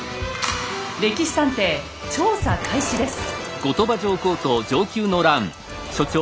「歴史探偵」調査開始です。